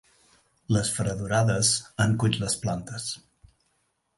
Les fredorades han cuit les plantes.